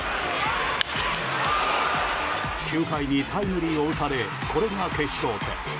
９回にタイムリーを打たれこれが決勝点。